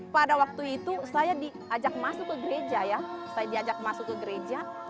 pada waktu itu saya diajak masuk ke gereja ya saya diajak masuk ke gereja